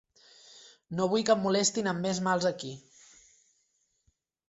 No vull que em molestin amb més mals aquí.